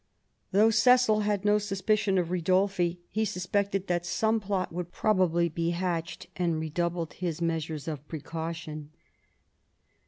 Though Cecil had no suspicion of Ridolfi, he suspected that some plot would probably be hatched, and redoubled his measures of precaution.